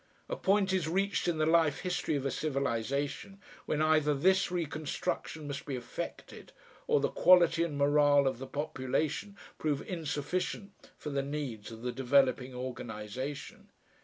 A point is reached in the life history of a civilisation when either this reconstruction must be effected or the quality and MORALE of the population prove insufficient for the needs of the developing organisation.